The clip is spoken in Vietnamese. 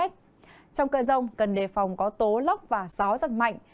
trong cờ rồng cần đề phòng có tố lốc và gió rất mạnh